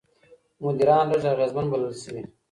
مدیران لږ اغېزمن بلل شوي.